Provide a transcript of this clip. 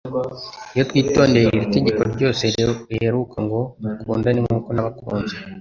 Iyo twitondcye iri tegeko ryose riheruka ngo : "Mukundane nk'uko nabakunze,